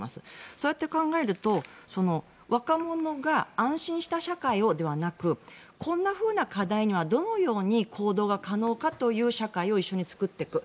そうやって考えると若者が安心した社会をではなくこんなふうな課題にはどのように行動が可能かという社会を一緒に作っていく。